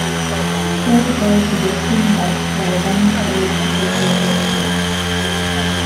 Fred goes to get cleaned up while Gunn stays to talk with Wesley.